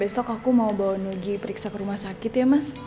besok aku mau bawa nugi periksa ke rumah sakit ya mas